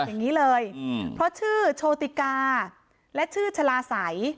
อย่างนี้เลยเพราะชื่อโชติกาและชื่อชะลาศัย